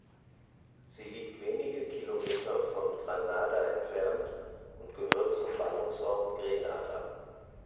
Sie liegt wenige Kilometer von Granada entfernt und gehört zum Ballungsraum Grenada.